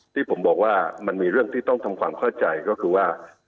ที่ผมบอกว่ามันมีเรื่องที่ต้องทำความเข้าใจก็คือว่า